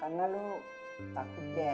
karena lo takut deh